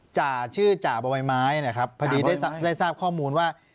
จ่าชื่อจ่าบ่อยไม้นะครับพอดีได้ทราบข้อมูลว่า